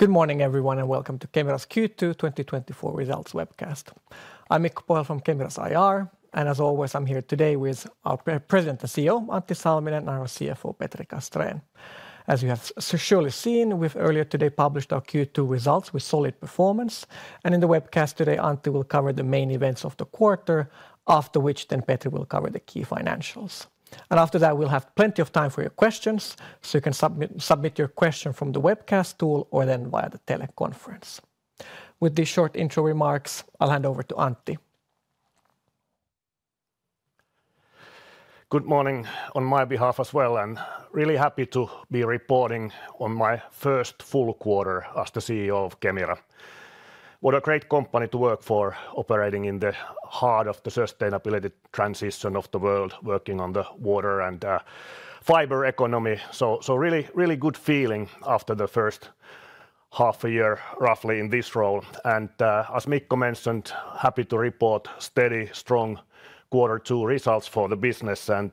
Good morning, everyone, and welcome to Kemira's Q2 2024 Results Webcast. I'm Mikko Pohjala from Kemira's IR, and as always, I'm here today with our President and CEO, Antti Salminen, and our CFO, Petri Castrén. As you have surely seen, we've earlier today published our Q2 results with solid performance, and in the webcast today, Antti will cover the main events of the quarter, after which then Petri will cover the key financials. After that, we'll have plenty of time for your questions, so you can submit your question from the webcast tool or then via the teleconference. With these short intro remarks, I'll hand over to Antti. Good morning on my behalf as well, and really happy to be reporting on my first full quarter as the CEO of Kemira. What a great company to work for, operating in the heart of the sustainability transition of the world, working on the water and fiber economy. So really good feeling after the first half a year, roughly, in this role. And as Mikko mentioned, happy to report steady, strong Q2 results for the business, and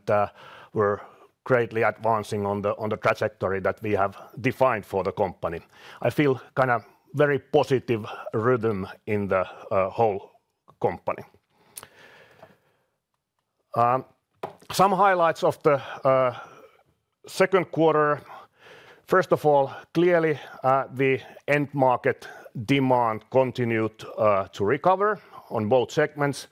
we're greatly advancing on the trajectory that we have defined for the company. I feel kind of very positive rhythm in the whole company. Some highlights of the Q2: First of all, clearly the end market demand continued to recover on both segments,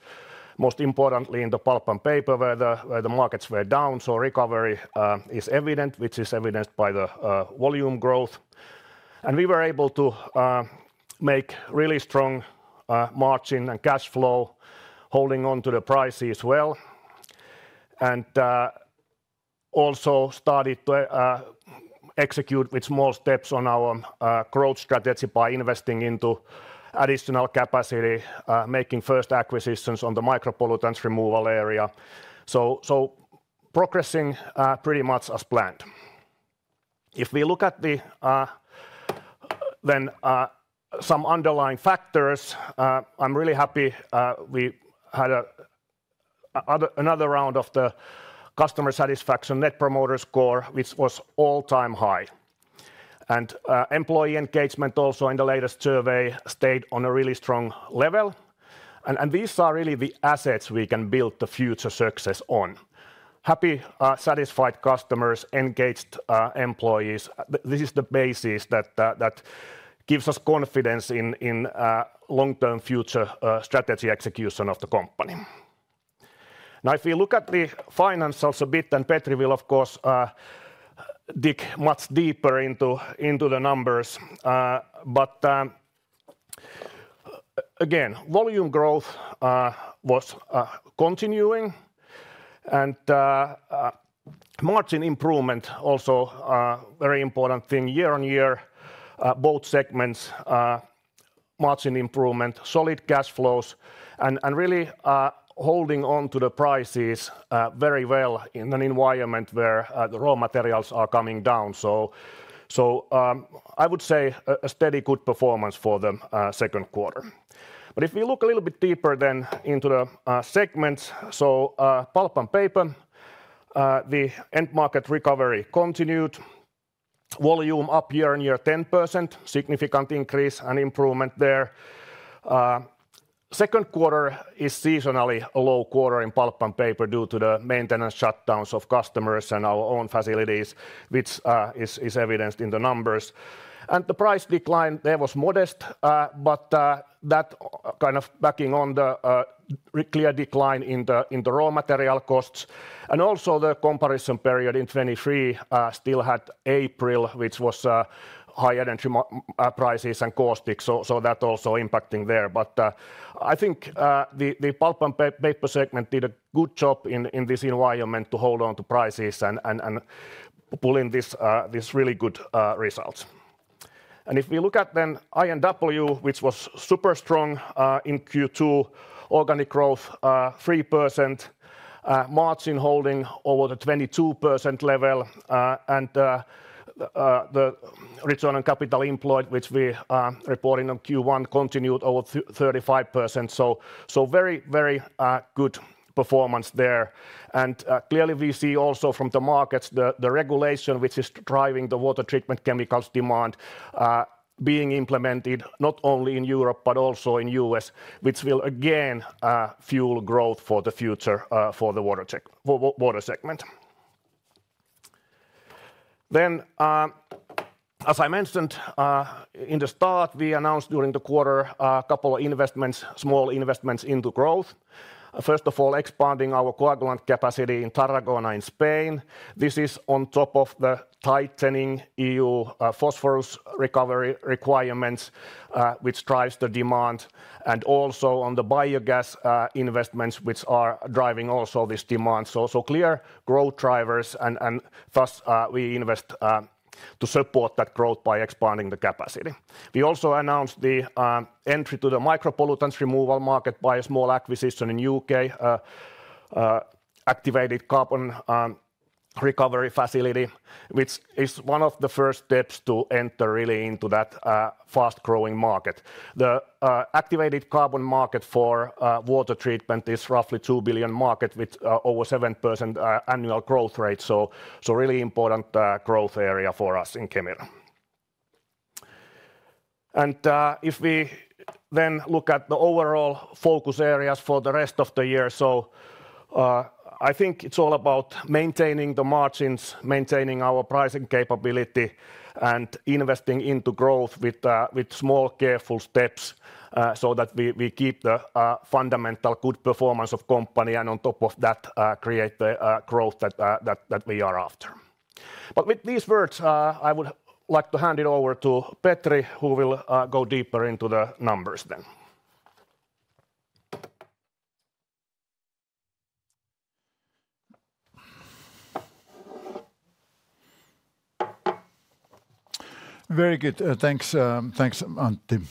most importantly in the pulp and paper, where the markets were down. Recovery is evident, which is evidenced by the volume growth. We were able to make really strong margin and cash flow, holding on to the price as well, and also started to execute with small steps on our growth strategy by investing into additional capacity, making first acquisitions on the micropollutants removal area. So progressing pretty much as planned. If we look at some underlying factors, I'm really happy. We had another round of the customer satisfaction Net Promoter Score, which was all-time high. Employee engagement also in the latest survey stayed on a really strong level, and these are really the assets we can build the future success on. Happy, satisfied customers, engaged employees, this is the basis that gives us confidence in long-term future strategy execution of the company. Now, if you look at the financials a bit, and Petri will, of course, dig much deeper into the numbers, but again, volume growth was continuing, and margin improvement also a very important thing. Year-on-year, both segments, margin improvement, solid cash flows, and really holding on to the prices very well in an environment where the raw materials are coming down. So, I would say a steady, good performance for the Q2. But if you look a little bit deeper then into the segments, so, pulp and paper, the end market recovery continued. Volume up year-on-year, 10%, significant increase and improvement there. Q2 is seasonally a low quarter in pulp and paper due to the maintenance shutdowns of customers and our own facilities, which is evidenced in the numbers. And the price decline there was modest, but that kind of backing on the clear decline in the raw material costs, and also the comparison period in 2023 still had April, which was high energy prices and caustic, so that also impacting there. But I think the pulp and paper segment did a good job in this environment to hold on to prices and pull in this really good results. And if you look at then I&W, which was super strong in Q2, organic growth 3%, margin holding over the 22% level, and the return on capital employed, which we are reporting on Q1, continued over 35%, so very good performance there. And clearly, we see also from the markets the regulation which is driving the water treatment chemicals demand being implemented not only in Europe but also in U.S., which will again fuel growth for the future for the water segment. Then, as I mentioned in the start, we announced during the quarter a couple of investments, small investments into growth. First of all, expanding our coagulant capacity in Tarragona in Spain. This is on top of the tightening EU phosphorus recovery requirements, which drives the demand, and also on the biogas investments, which are driving also this demand. So clear growth drivers and thus we invest to support that growth by expanding the capacity. We also announced the entry to the micropollutants removal market by a small acquisition in U.K. activated carbon recovery facility, which is one of the first steps to enter really into that fast-growing market. The activated carbon market for water treatment is roughly 2 billion market, with over 7% annual growth rate, so really important growth area for us in Kemira. If we then look at the overall focus areas for the rest of the year, so I think it's all about maintaining the margins, maintaining our pricing capability, and investing into growth with small, careful steps, so that we keep the fundamental good performance of company, and on top of that, create the growth that we are after. But with these words, I would like to hand it over to Petri, who will go deeper into the numbers then. Very good. Thanks, thanks, Antti.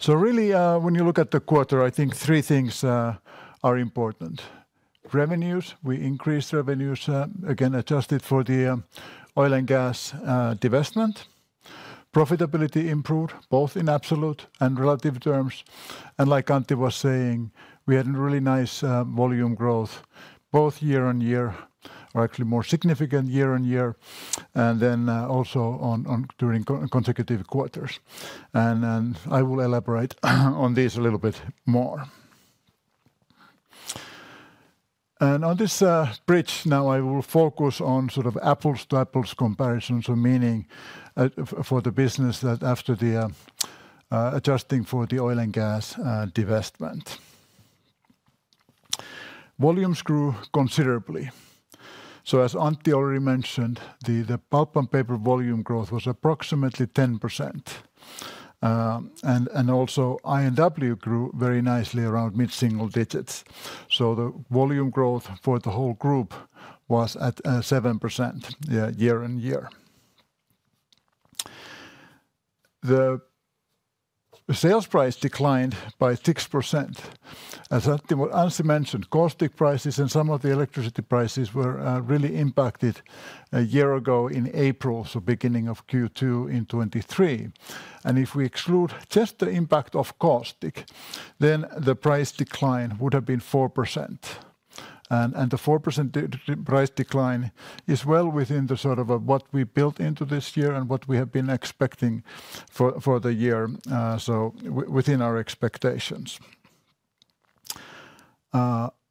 So really, when you look at the quarter, I think three things are important. Revenues, we increased revenues again, adjusted for the oil and gas divestment. Profitability improved, both in absolute and relative terms. And like Antti was saying, we had a really nice volume growth both year-on-year, or actually more significant year-on-year, and then also on consecutive quarters. And then I will elaborate on these a little bit more. And on this bridge, now I will focus on sort of apples to apples comparisons, so meaning for the business that after the adjusting for the oil and gas divestment. Volumes grew considerably. So as Antti already mentioned, the pulp and paper volume growth was approximately 10%. And also, I&W grew very nicely around mid-single digits. So the volume growth for the whole group was at 7%, yeah, year-on-year. The sales price declined by 6%. As Antti mentioned, caustic prices and some of the electricity prices were really impacted a year ago in April, so beginning of Q2 in 2023. And if we exclude just the impact of caustic, then the price decline would have been 4%. And the 4% price decline is well within the sort of what we built into this year and what we have been expecting for the year, so within our expectations.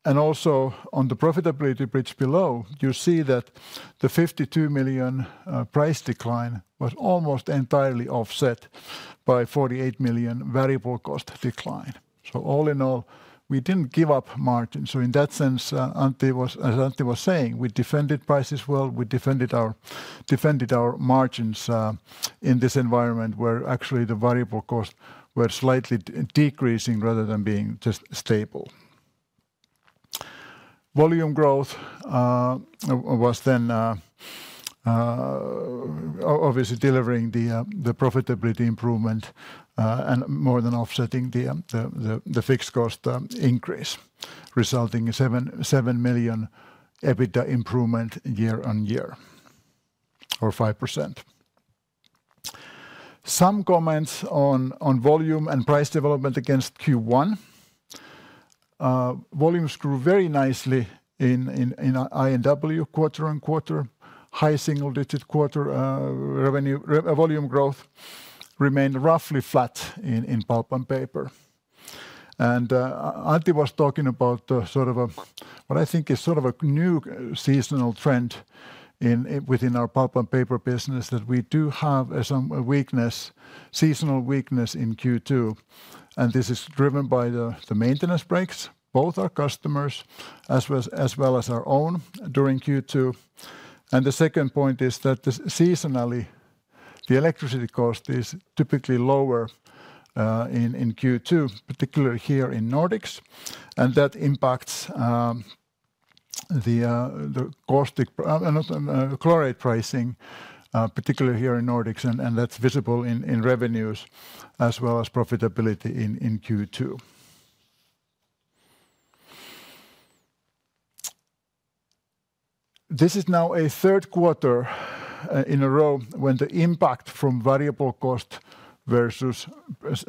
And also on the profitability bridge below, you see that the 52 million price decline was almost entirely offset by 48 million variable cost decline. So all in all, we didn't give up margin. So in that sense, As Antti was saying, we defended prices well, we defended our margins in this environment, where actually the variable costs were slightly decreasing rather than being just stable. Volume growth was then obviously delivering the profitability improvement and more than offsetting the fixed cost increase, resulting in 7 million EBITDA improvement year-on-year, or 5%. Some comments on volume and price development against Q1. Volumes grew very nicely in our I&W quarter-on-quarter. High single-digit quarter-on-quarter volume growth remained roughly flat in pulp and paper. Antti was talking about sort of a what I think is sort of a new seasonal trend within our pulp and paper business, that we do have some weakness, seasonal weakness in Q2, and this is driven by the maintenance breaks, both our customers as well as our own, during Q2. The second point is that seasonally the electricity cost is typically lower in Q2, particularly here in Nordics, and that impacts the caustic and chlorate pricing, particularly here in Nordics, and that's visible in revenues as well as profitability in Q2. This is now a Q3 in a row when the impact from variable cost versus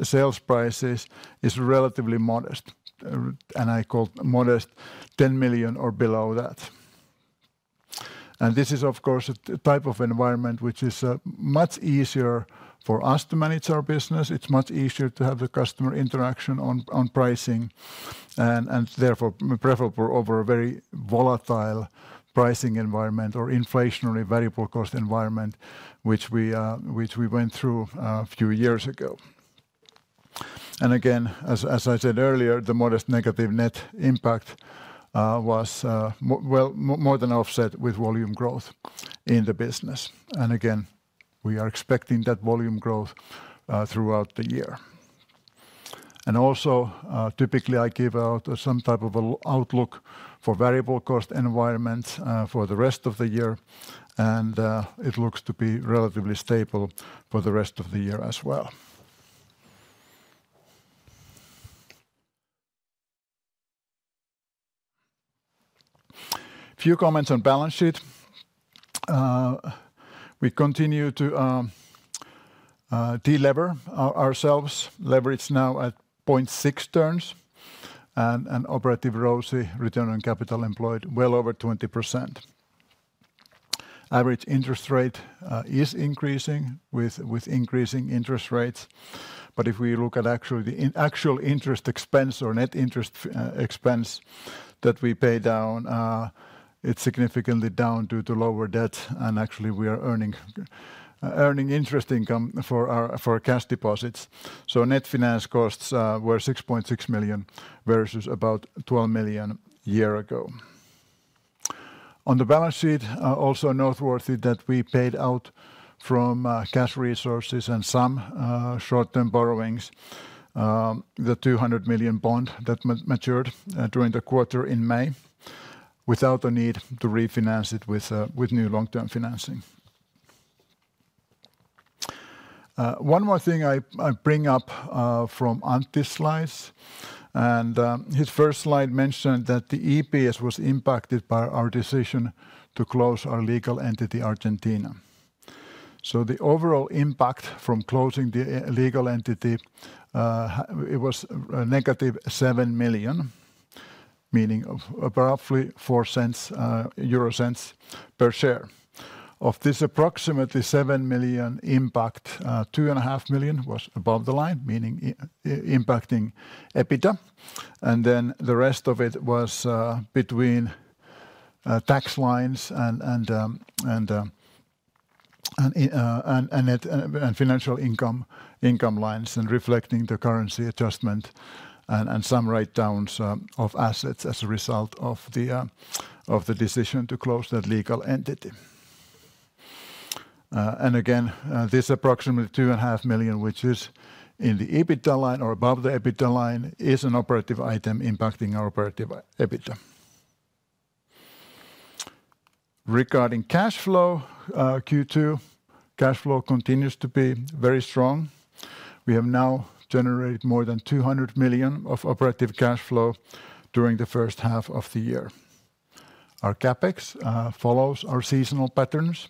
sales prices is relatively modest, and I call modest 10 million or below that. This is, of course, a type of environment which is much easier for us to manage our business. It's much easier to have the customer interaction on pricing and therefore preferable over a very volatile pricing environment or inflationary variable cost environment, which we went through a few years ago. And again, as I said earlier, the modest negative net impact was more than offset with volume growth in the business. And again, we are expecting that volume growth throughout the year. And also, typically, I give out some type of an outlook for variable cost environments for the rest of the year, and it looks to be relatively stable for the rest of the year as well. Few comments on balance sheet. We continue to de-lever ourselves, leverage now at 0.6 turns, and an operative ROCE, return on capital employed, well over 20% average interest rate is increasing with increasing interest rates. But if we look at actually the actual interest expense or net interest expense that we pay down, it's significantly down due to lower debt, and actually we are earning earning interest income for our cash deposits. So net finance costs were 6.6 million, versus about 12 million a year ago. On the balance sheet, also noteworthy that we paid out from cash resources and some short-term borrowings, the 200 million bond that matured during the quarter in May, without the need to refinance it with new long-term financing. One more thing I bring up from Antti's slides, and his first slide mentioned that the EPS was impacted by our decision to close our legal entity, Argentina. So the overall impact from closing the legal entity it was negative 7 million, meaning roughly 0.04 per share. Of this approximately 7 million impact, 2.5 million was above the line, meaning impacting EBITDA, and then the rest of it was between tax lines and financial income lines and reflecting the currency adjustment and some write-downs of assets as a result of the decision to close that legal entity. And again, this approximately 2.5 million, which is in the EBITDA line or above the EBITDA line, is an operative item impacting our operative EBITDA. Regarding cash flow, Q2 cash flow continues to be very strong. We have now generated more than 200 million of operative cash flow during the first half of the year. Our CapEx follows our seasonal patterns,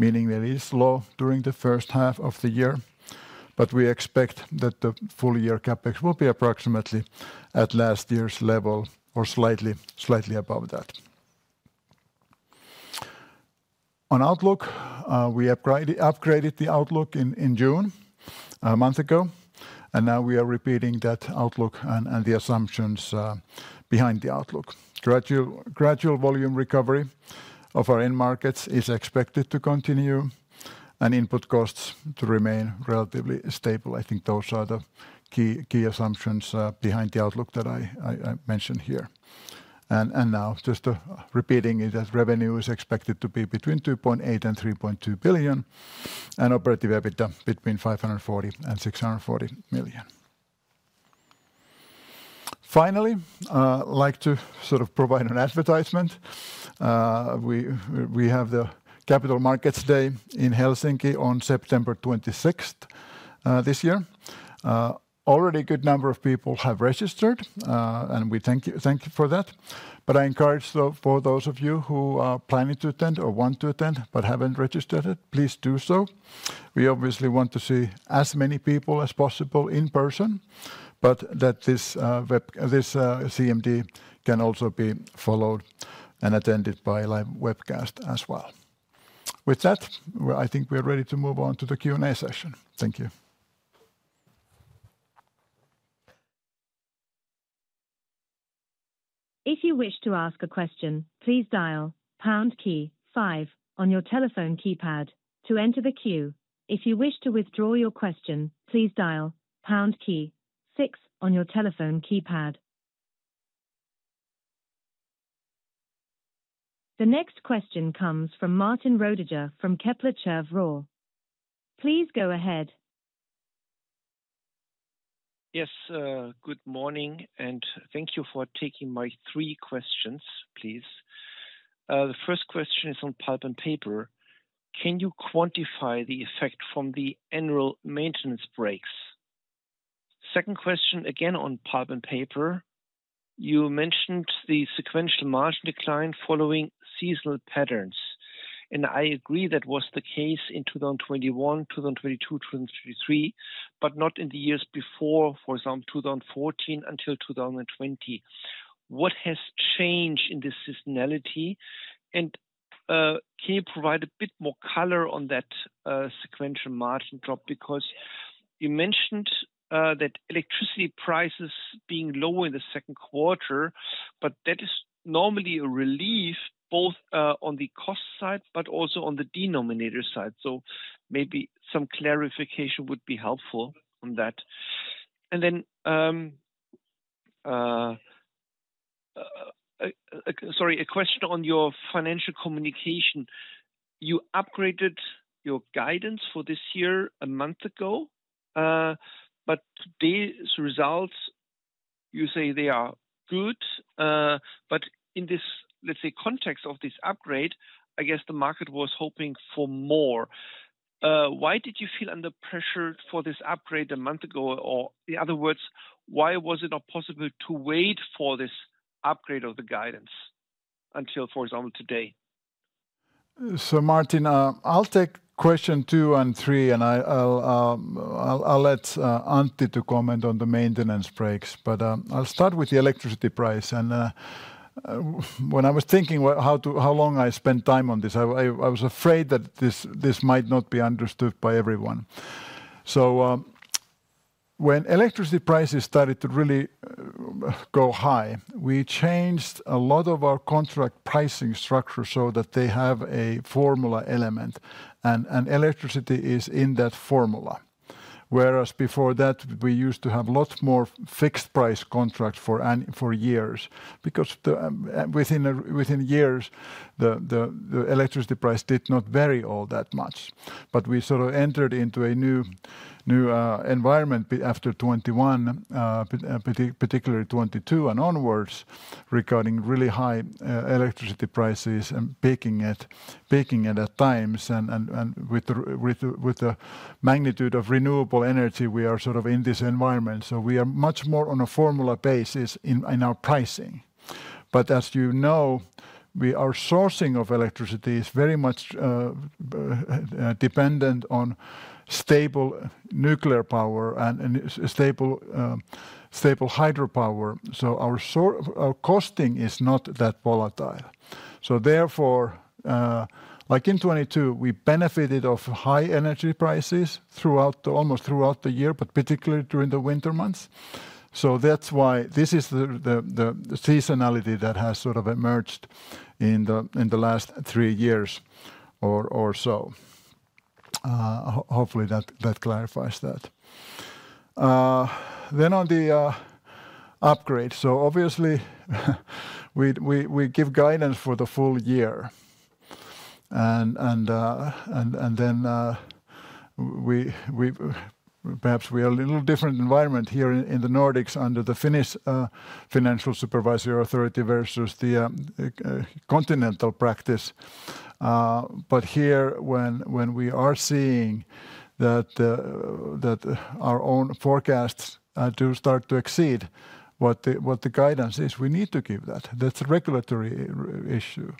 meaning that it is low during the first half of the year, but we expect that the full year CapEx will be approximately at last year's level or slightly above that. On outlook, we upgraded the outlook in June, a month ago, and now we are repeating that outlook and the assumptions behind the outlook. Gradual volume recovery of our end markets is expected to continue and input costs to remain relatively stable. I think those are the key, key assumptions behind the outlook that I mentioned here. And now just repeating it, as revenue is expected to be between 2.8 billion and 3.2 billion, and operative EBITDA between 540 million and 640 million. Finally, I'd like to sort of provide an advertisement. We have the Capital Markets Day in Helsinki on September 26th this year. Already a good number of people have registered, and we thank you, thank you for that. But I encourage, though, for those of you who are planning to attend or want to attend but haven't registered yet, please do so. We obviously want to see as many people as possible in person, but that this web, this CMD can also be followed and attended by live webcast as well. With that, well, I think we are ready to move on to the Q&A session. Thank you. If you wish to ask a question, please dial pound key five on your telephone keypad to enter the queue. If you wish to withdraw your question, please dial pound key six on your telephone keypad. The next question comes from Martin Roediger from Kepler Cheuvreux. Please go ahead. Yes, good morning, and thank you for taking my three questions, please. The first question is on pulp and paper: Can you quantify the effect from the annual maintenance breaks? Second question, again, on pulp and paper: You mentioned the sequential margin decline following seasonal patterns, and I agree that was the case in 2021, 2022, 2023, but not in the years before, for example, 2014 until 2020. What has changed in this seasonality? And, can you provide a bit more color on that, sequential margin drop? Because you mentioned, that electricity prices being lower in the Q2, but that is normally a relief, both, on the cost side but also on the denominator side. So maybe some clarification would be helpful on that. Sorry, a question on your financial communication. You upgraded your guidance for this year, a month ago, but these results, you say they are good, but in this, let's say, context of this upgrade, I guess the market was hoping for more. Why did you feel under pressure for this upgrade a month ago, or in other words, why was it not possible to wait for this upgrade of the guidance until, for example, today? So, Martin, I'll take question two and three, and I'll let Antti comment on the maintenance breaks. But I'll start with the electricity price, and when I was thinking how long I spent time on this, I was afraid that this might not be understood by everyone. So, when electricity prices started to really go high, we changed a lot of our contract pricing structure so that they have a formula element, and electricity is in that formula. Whereas before that, we used to have lots more fixed price contracts for years, because within years, the electricity price did not vary all that much. But we sort of entered into a new environment after 2021, particularly 2022 and onwards, regarding really high electricity prices and peaking at times. And with the magnitude of renewable energy, we are sort of in this environment. So we are much more on a formula basis in our pricing. But as you know, our sourcing of electricity is very much dependent on stable nuclear power and stable hydropower. So our costing is not that volatile. So therefore, like in 2022, we benefited off high energy prices almost throughout the year, but particularly during the winter months. So that's why this is the seasonality that has sort of emerged in the last three years or so. Hopefully that clarifies that. Then on the upgrade. So obviously, we give guidance for the full year. And then we perhaps are a little different environment here in the Nordics under the Finnish Financial Supervisory Authority versus the continental practice. But here, when we are seeing that our own forecasts do start to exceed what the guidance is, we need to give that. That's a regulatory issue,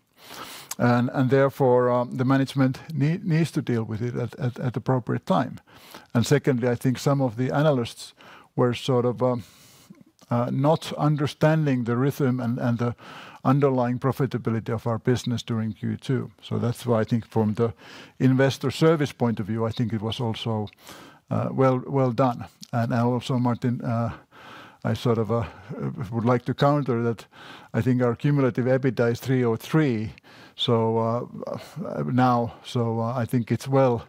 and therefore the management needs to deal with it at appropriate time. And secondly, I think some of the analysts were sort of not understanding the rhythm and the underlying profitability of our business during Q2. So that's why I think from the investor service point of view, I think it was also well done. And also, Martin, I sort of would like to counter that I think our cumulative EBITDA is 303, so now. So I think it's well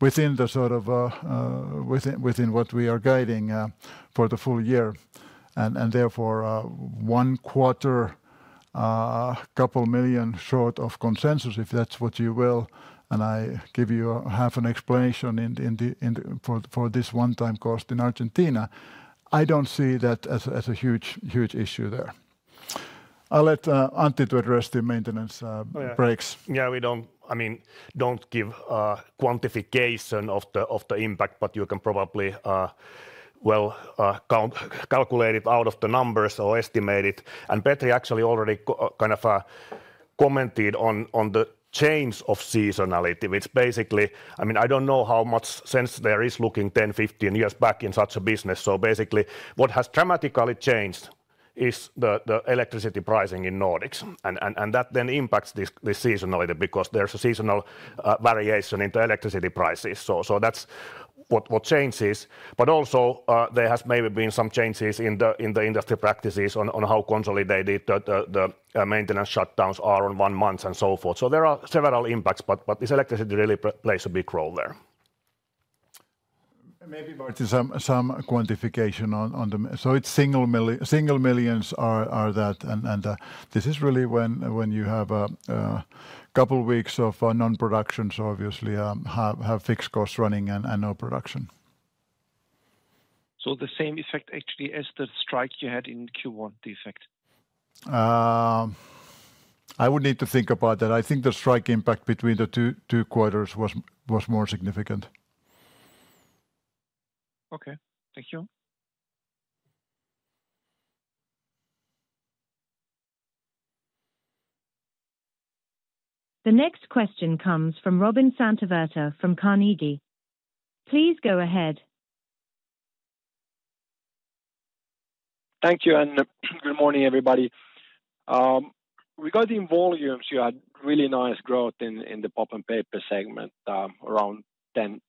within the sort of within what we are guiding for the full year. And therefore one quarter couple million short of consensus, if that's what you will, and I give you a half an explanation for this one-time cost in Argentina, I don't see that as a huge issue there. I'll let Antti address the maintenance breaks. Yeah, we don't... I mean, don't give quantification of the impact, but you can probably, well, calculate it out of the numbers or estimate it. And Petri actually already kind of commented on the change of seasonality, which basically, I mean, I don't know how much sense there is looking 10, 15 years back in such a business. So basically, what has dramatically changed is the electricity pricing in Nordics, and that then impacts the seasonality because there's a seasonal variation into electricity prices. So that's what changes. But also, there has maybe been some changes in the industry practices on how consolidated the maintenance shutdowns are on one month and so forth. So there are several impacts, but this electricity really plays a big role there. Maybe Martin, some quantification on the... So it's single millions are that. And this is really when you have a couple weeks of non-production, so obviously have fixed costs running and no production. The same effect actually as the strike you had in Q1, the effect? I would need to think about that. I think the strike impact between the two quarters was more significant. Okay. Thank you. The next question comes from Robin Santavirta from Carnegie. Please go ahead. Thank you, and good morning, everybody. Regarding volumes, you had really nice growth in the Pulp & Paper segment, around 10%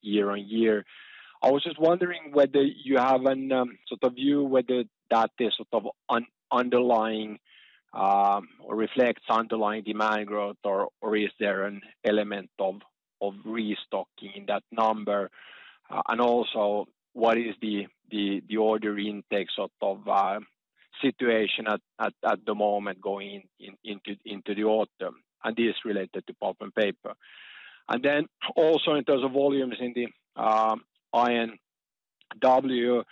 year-on-year. I was just wondering whether you have a sort of view whether that is sort of an underlying or reflects underlying demand growth, or is there an element of restocking that number? And also, what is the order intake sort of situation at the moment going into the autumn? And this is related to Pulp & Paper. And then also in terms of volumes in the I&W,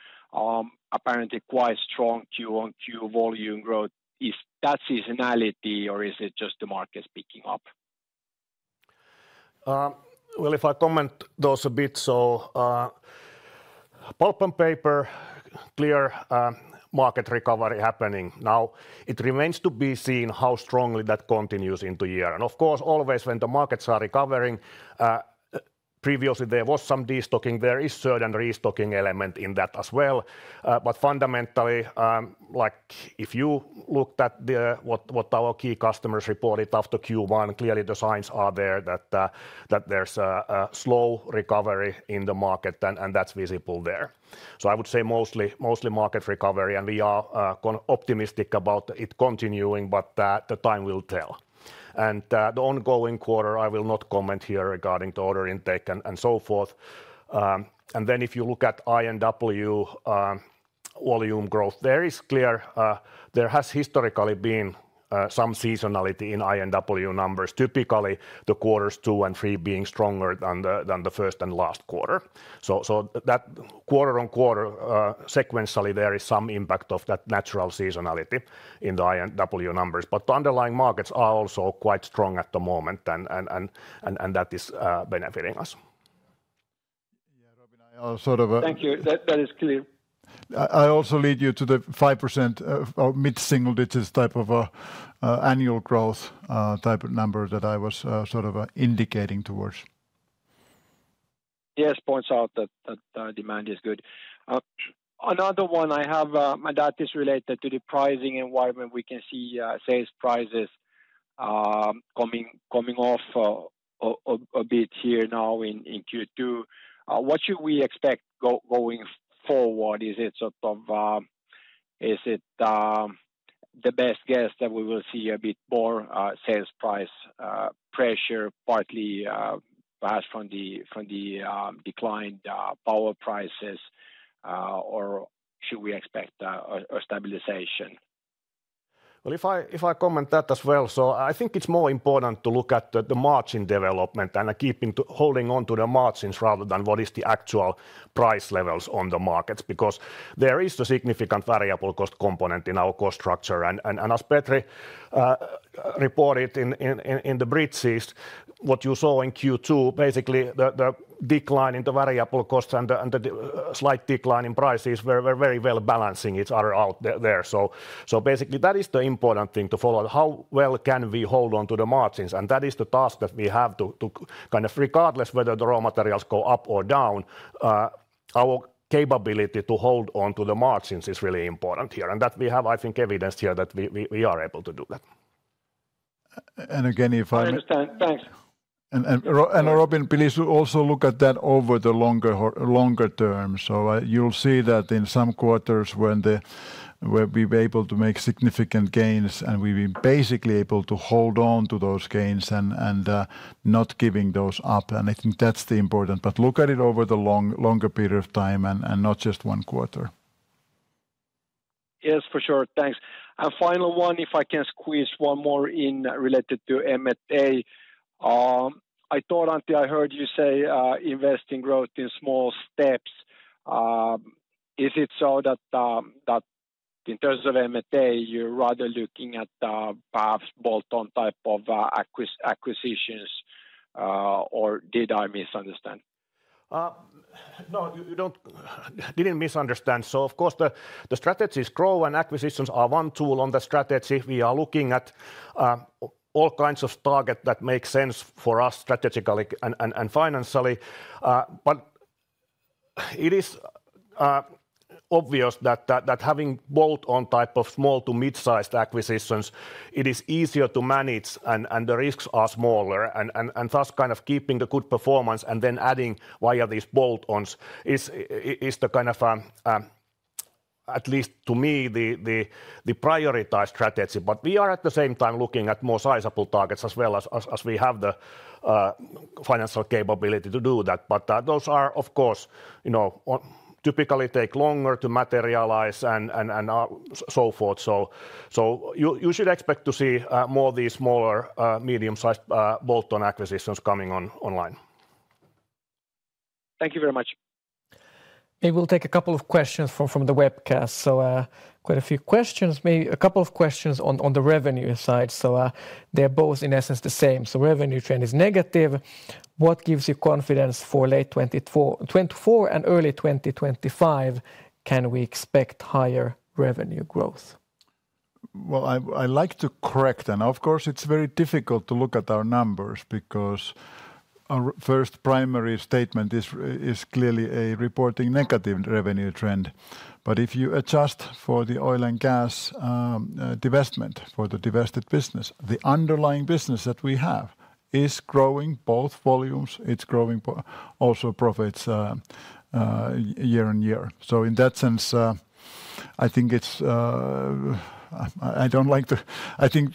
apparently quite strong Q-on-Q volume growth. Is that seasonality or is it just the market picking up? Well, if I comment those a bit, so, pulp and paper, clear, market recovery happening. Now, it remains to be seen how strongly that continues into year. And of course, always when the markets are recovering, previously there was some destocking. There is certain restocking element in that as well. But fundamentally, like, if you looked at the, what our key customers reported after Q1, clearly the signs are there that, that there's a slow recovery in the market, and, and that's visible there. So I would say mostly, mostly market recovery, and we are optimistic about it continuing, but, the time will tell. And, the ongoing quarter, I will not comment here regarding the order intake and, and so forth. And then if you look at I&W, volume growth, there is clear. There has historically been some seasonality in I&W numbers. Typically, the quarters two and three being stronger than the first and last quarter. So that quarter-over-quarter sequentially, there is some impact of that natural seasonality in the I&W numbers. But the underlying markets are also quite strong at the moment, and that is benefiting us. Yeah, Robin, I sort of Thank you. That is clear. I also lead you to the 5% or mid-single digits type of annual growth type of number that I was sort of indicating towards. Yes, points out that demand is good. Another one I have, my data is related to the pricing environment. We can see sales prices coming off a bit here now in Q2. What should we expect going forward? Is it sort of the best guess that we will see a bit more sales price pressure, partly perhaps from the declined power prices? Or should we expect a stabilization? Well, if I comment that as well, so I think it's more important to look at the margin development and keeping to holding on to the margins rather than what is the actual price levels on the markets. Because there is a significant variable cost component in our cost structure. And as Petri reported in the brief sees, what you saw in Q2, basically the decline in the variable costs and the slight decline in prices were very well balancing each other out there. So basically, that is the important thing to follow, how well can we hold on to the margins? That is the task that we have to kind of, regardless whether the raw materials go up or down, our capability to hold on to the margins is really important here, and that we have, I think, evidenced here that we are able to do that. And again, if I- I understand. Thanks. And Robin, please also look at that over the longer term. So, you'll see that in some quarters when we've been able to make significant gains, and we've been basically able to hold on to those gains and not giving those up, and I think that's the important. But look at it over the longer period of time and not just one quarter. Yes, for sure. Thanks. And final one, if I can squeeze one more in related to M&A. I thought, Antti, I heard you say, investing growth in small steps. Is it so that, that in terms of M&A, you're rather looking at, perhaps bolt-on type of, acquisitions, or did I misunderstand? No, you don't misunderstand. So of course, the strategy is grow, and acquisitions are one tool on the strategy. We are looking at all kinds of target that makes sense for us strategically and financially. But it is obvious that having bolt-on type of small to mid-sized acquisitions, it is easier to manage, and the risks are smaller. And thus, kind of, keeping the good performance and then adding via these bolt-ons is the kind of, at least to me, the prioritized strategy. But we are at the same time looking at more sizable targets as well as we have the financial capability to do that. But, those are, of course, you know, typically take longer to materialize and so forth. So you should expect to see more of these smaller, medium-sized, bolt-on acquisitions coming online. Thank you very much. Maybe we'll take a couple of questions from the webcast. So, quite a few questions. Maybe a couple of questions on the revenue side. So, they're both, in essence, the same. "So revenue trend is negative, what gives you confidence for late 2024, 2024 and early 2025, can we expect higher revenue growth? Well, I like to correct, and of course, it's very difficult to look at our numbers because our first primary statement is clearly a reporting negative revenue trend. But if you adjust for the oil and gas divestment, for the divested business, the underlying business that we have is growing both volumes, it's growing also profits year on year. So in that sense, I think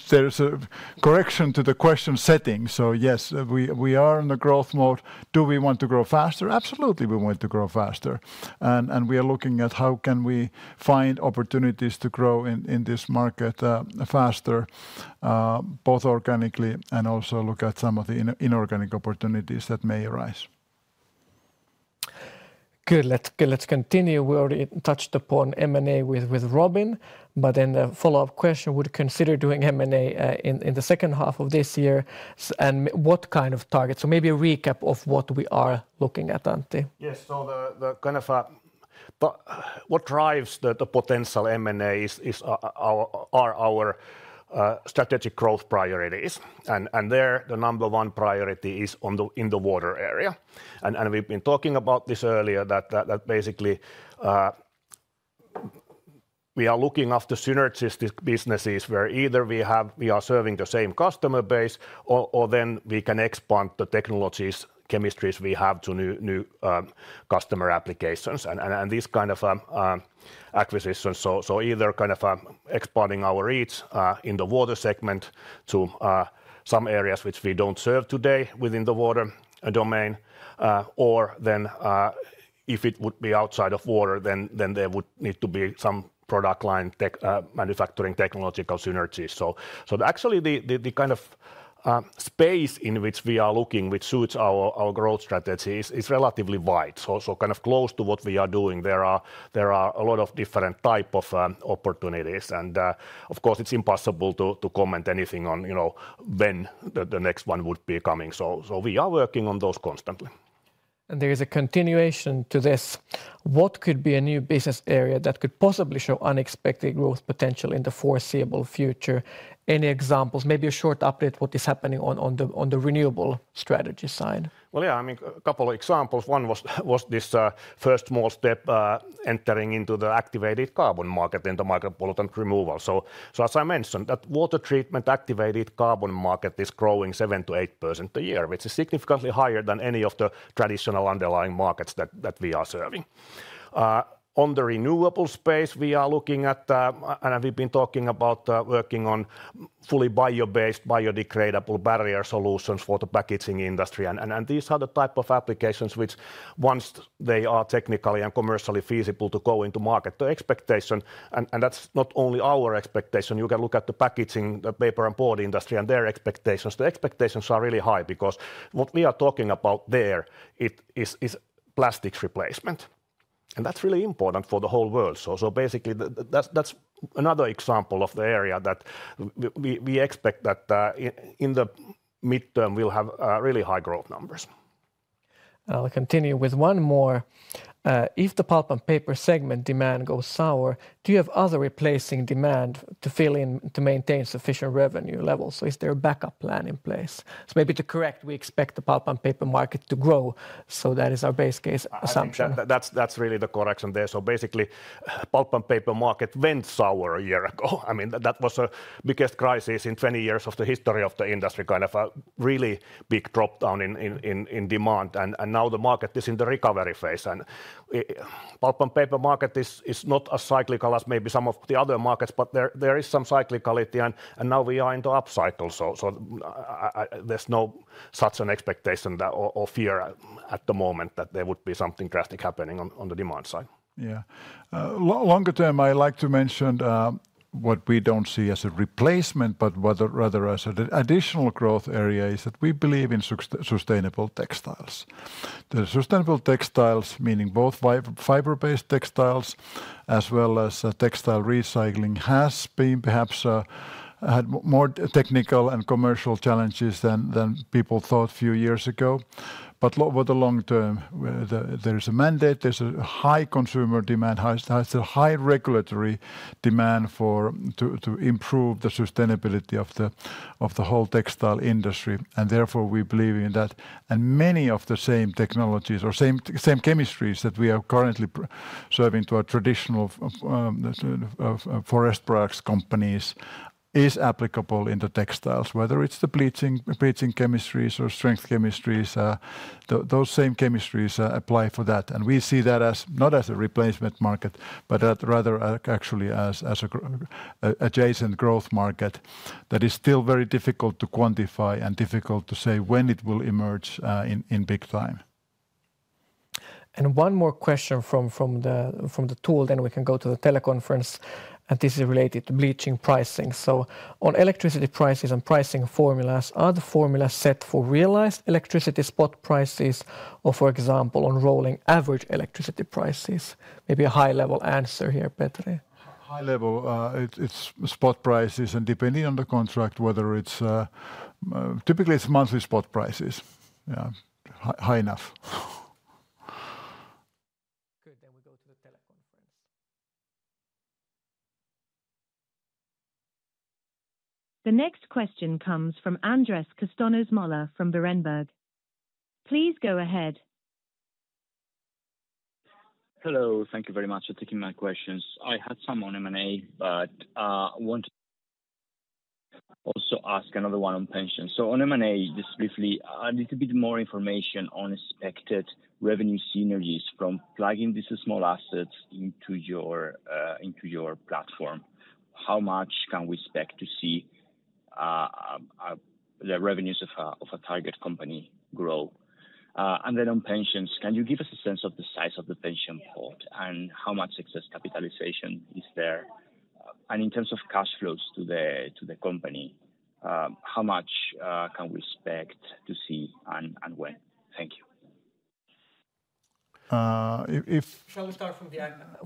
there's a correction to the question setting. So yes, we are in the growth mode. Do we want to grow faster? Absolutely, we want to grow faster. And we are looking at how can we find opportunities to grow in this market faster, both organically and also look at some of the inorganic opportunities that may arise. Good. Let's, okay, let's continue. We already touched upon M&A with, with Robin, but then the follow-up question, would consider doing M&A in the second half of this year and what kind of targets? So maybe a recap of what we are looking at, Antti. Yes. But what drives the potential M&A is our strategic growth priorities. And then the number one priority is in the water area. And we've been talking about this earlier that basically we are looking for synergistic businesses where either we are serving the same customer base or then we can expand the technologies, chemistries we have to new customer applications and these kind of acquisitions. So either kind of expanding our reach in the water segment to some areas which we don't serve today within the water domain. Or then, if it would be outside of water, then there would need to be some product line tech manufacturing technological synergies. So actually, the kind of space in which we are looking, which suits our growth strategy is relatively wide. So kind of close to what we are doing. There are a lot of different type of opportunities. And of course, it's impossible to comment anything on, you know, when the next one would be coming. So we are working on those constantly. There is a continuation to this. What could be a new business area that could possibly show unexpected growth potential in the foreseeable future? Any examples? Maybe a short update, what is happening on the renewable strategy side. Well, yeah, I mean, a couple of examples. One was this first small step entering into the activated carbon market and the micropollutant removal. So as I mentioned, that water treatment activated carbon market is growing 7% to 8% a year, which is significantly higher than any of the traditional underlying markets that we are serving. On the renewable space, we are looking at. And we've been talking about working on fully bio-based, biodegradable barrier solutions for the packaging industry. And these are the type of applications which once they are technically and commercially feasible to go into market, the expectation, and that's not only our expectation, you can look at the packaging, the paper and board industry and their expectations. The expectations are really high because what we are talking about there, it is plastics replacement, and that's really important for the whole world. So basically, that's another example of the area that we expect that, in the midterm we'll have really high growth numbers. I'll continue with one more. If the Pulp and Paper segment demand goes sour, do you have other replacing demand to fill in to maintain sufficient revenue levels? Is there a backup plan in place? Maybe to correct, we expect the Pulp and Paper market to grow, so that is our base case assumption. I think that's, that's really the correction there. So basically, pulp and paper market went sour a year ago. I mean, that was the biggest crisis in 20 years of the history of the industry, kind of a really big drop down in demand. And now the market is in the recovery phase. And, pulp and paper market is not as cyclical as maybe some of the other markets, but there is some cyclicality and now we are in the upcycle. So, there's no such an expectation that or fear at the moment that there would be something drastic happening on the demand side. Yeah. Longer term, I like to mention what we don't see as a replacement, but rather, rather as an additional growth area, is that we believe in sustainable textiles. The sustainable textiles, meaning both fiber-based textiles as well as textile recycling, has been perhaps had more technical and commercial challenges than, than people thought a few years ago. But over the long term, there is a mandate, there's a high consumer demand, high, there's a high regulatory demand for to, to improve the sustainability of the, of the whole textile industry, and therefore we believe in that. And many of the same technologies or same, same chemistries that we are currently providing to our traditional, sort of forest products companies, is applicable in the textiles. Whether it's the bleaching, bleaching chemistries or strength chemistries, those same chemistries apply for that. And we see that as, not as a replacement market, but as rather actually as, as a adjacent growth market that is still very difficult to quantify and difficult to say when it will emerge, in big time. And one more question from the tool, then we can go to the teleconference, and this is related to bleaching pricing. So on electricity prices and pricing formulas, are the formulas set for realized electricity spot prices or, for example, on rolling average electricity prices? Maybe a high-level answer here, Petri. High level, it's spot prices, and depending on the contract, whether it's. Typically, it's monthly spot prices. Yeah, high enough. Good. Then we go to the teleconference. The next question comes from Andres Castanos-Mollor from Berenberg. Please go ahead. Hello. Thank you very much for taking my questions. I had some on M&A, but I want to also ask another one on pensions. So on M&A, just briefly, a little bit more information on expected revenue synergies from plugging these small assets into your into your platform. How much can we expect to see the revenues of a target company grow? And then on pensions, can you give us a sense of the size of the pension port and how much excess capitalization is there? And in terms of cash flows to the company, how much can we expect to see and when? Thank you. Shall we start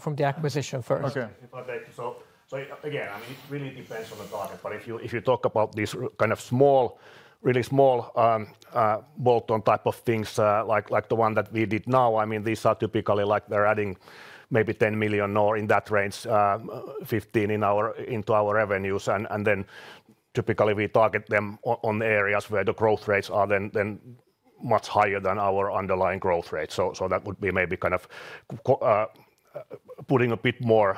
from the acquisition first? Okay. Okay, so again, I mean, it really depends on the target, but if you talk about these kind of small, really small, bolt-on type of things, like the one that we did now, I mean, these are typically like they're adding maybe 10 million or in that range, 15 million into our revenues. And then typically we target them on the areas where the growth rates are then much higher than our underlying growth rate. So that would be maybe kind of putting a bit more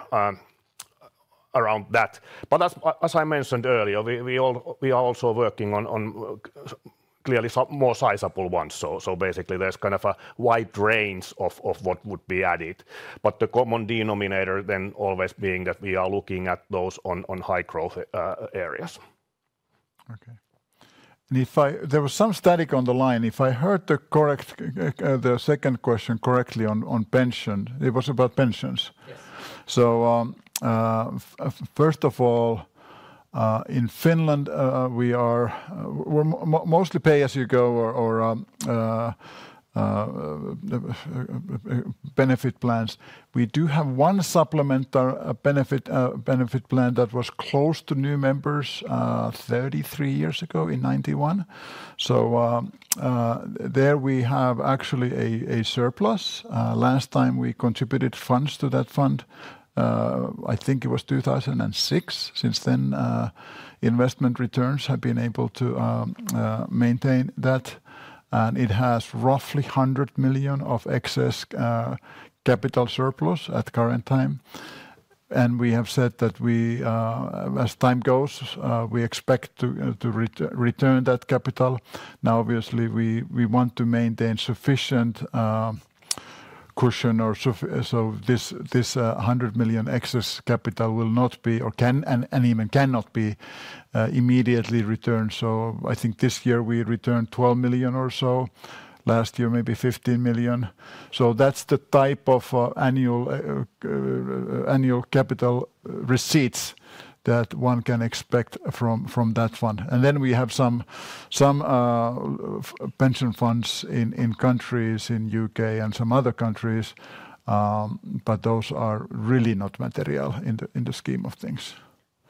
around that. But as I mentioned earlier, we are also working on clearly some more sizable ones. So basically there's kind of a wide range of what would be added. But the common denominator then always being that we are looking at those on high growth areas. Okay. There was some static on the line. If I heard correctly, the second question on pension, it was about pensions? Yes. So, first of all, in Finland, we are, we're mostly pay-as-you-go or benefit plans. We do have one supplement, benefit, benefit plan that was closed to new members, 33 years ago in 1991. So, there we have actually a surplus. Last time we contributed funds to that fund, I think it was 2006. Since then, investment returns have been able to maintain that, and it has roughly 100 million of excess capital surplus at the current time. And we have said that we, as time goes, we expect to return that capital. Now, obviously, we want to maintain sufficient cushion. So this 100 million excess capital will not be or can and even cannot be immediately returned. So I think this year we returned 12 million or so, last year, maybe 15 million. So that's the type of annual capital receipts that one can expect from that fund. And then we have some pension funds in countries, in U.K. and some other countries, but those are really not material in the scheme of things.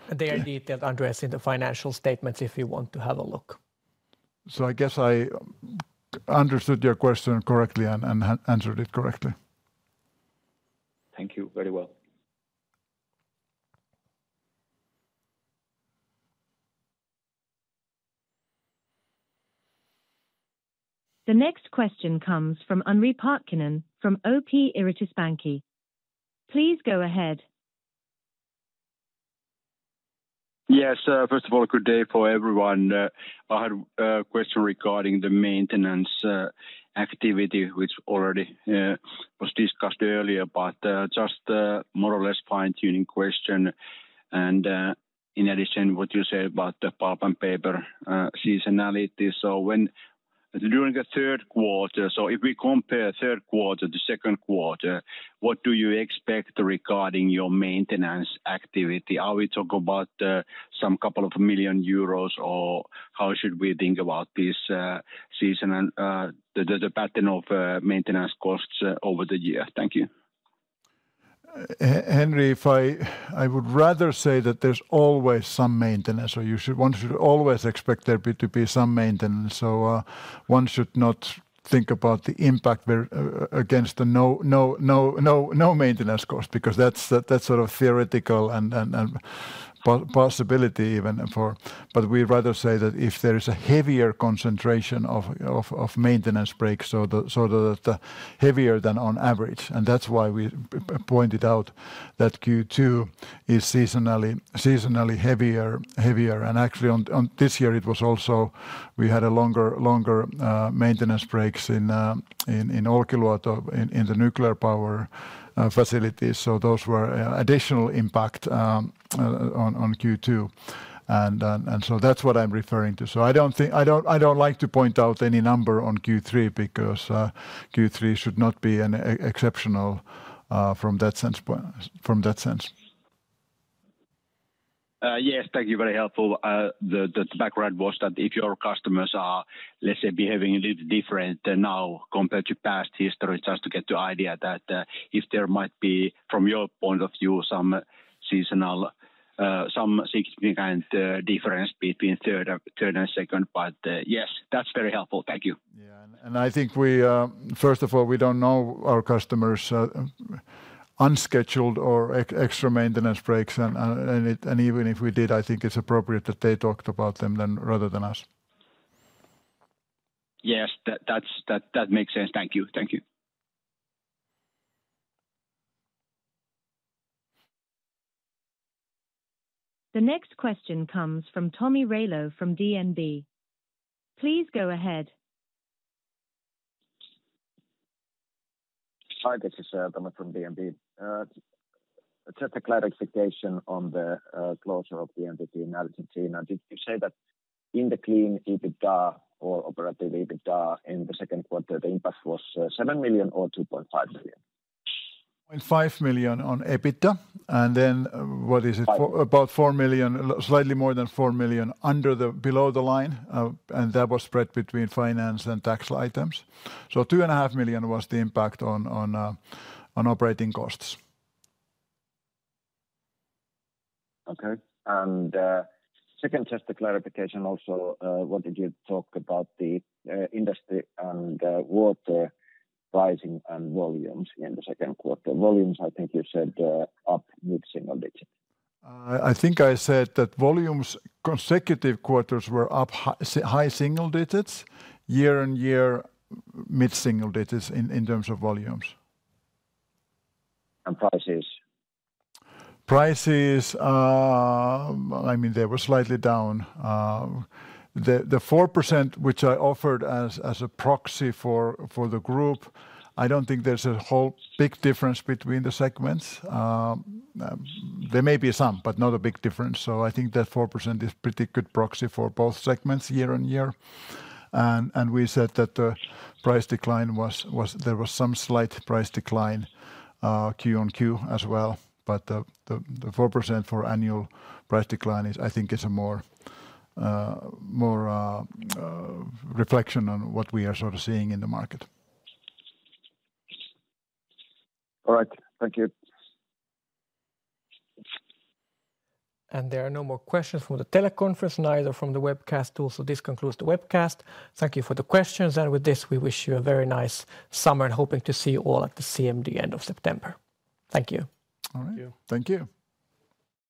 They are detailed, Andres, in the financial statements, if you want to have a look. I guess I understood your question correctly and answered it correctly. Thank you. Very well. The next question comes from Henri Parkkinen, from OP Yrityspankki. Please go ahead. Yes, first of all, good day for everyone. I had a question regarding the maintenance activity, which already was discussed earlier, but just more or less fine-tuning question. And in addition, what you said about the pulp and paper seasonality. So, during the Q3, so if we compare Q3 to Q2, what do you expect regarding your maintenance activity? Are we talk about some couple of million EUR, or how should we think about this season and the pattern of maintenance costs over the year? Thank you. Henri, if I would rather say that there's always some maintenance, so one should always expect there to be some maintenance. So, one should not think about the impact where, against no maintenance cost, because that's sort of theoretical and possibility even for. But we rather say that if there is a heavier concentration of maintenance breaks, so the heavier than on average. And that's why we pointed out that Q2 is seasonally heavier. And actually, on this year, it was also. We had a longer maintenance breaks in Olkiluoto, in the nuclear power facilities. So those were additional impact on Q2. And so that's what I'm referring to. I don't think I don't like to point out any number on Q3, because Q3 should not be exceptional from that sense from that sense. Yes. Thank you. Very helpful. The background was that if your customers are, let's say, behaving a little different than now compared to past history, just to get the idea that, if there might be, from your point of view, some seasonal, some significant, difference between third and second. But, yes, that's very helpful. Thank you. Yeah. And I think we, first of all, we don't know our customers' unscheduled or extra maintenance breaks. And even if we did, I think it's appropriate that they talked about them then, rather than us. Yes, that makes sense. Thank you. Thank you. The next question comes from Tomi Railo from DNB. Please go ahead. Hi, this is Tomi from DNB. Just a clarification on the closure of the entity in Argentina. Did you say that in the clean EBITDA or operative EBITDA in the Q2, the impact was 7 million or 2.5 million? 0.5 million on EBITDA, and then what is it? About 4 million, slightly more than 4 million under the, below the line, and that was spread between finance and tax items. So 2.5 million was the impact on operating costs. Okay. Second, just a clarification also, what did you talk about the industry and water pricing and volumes in the Q2? Volumes, I think you said, up mid-single digits. I think I said that volumes consecutive quarters were up high single digits, year-on-year, mid single digits in terms of volumes. And prices? Prices, I mean, they were slightly down. The four percent, which I offered as a proxy for the group, I don't think there's a whole big difference between the segments. There may be some, but not a big difference. So I think that 4% is pretty good proxy for both segments year-on-year. And we said that the price decline was—there was some slight price decline, Q-on-Q as well. But the 4% for annual price decline is, I think it's a more reflection on what we are sort of seeing in the market. All right. Thank you. There are no more questions from the teleconference, neither from the webcast, too. This concludes the webcast. Thank you for the questions. With this, we wish you a very nice summer and hoping to see you all at the CMD end of September. Thank you. All right. Thank you. Thank you.